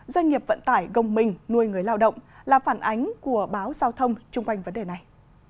doanh nghiệp vận tải gồng mình nuôi người lao động là phản ánh của báo giao thông chung quanh vấn đề này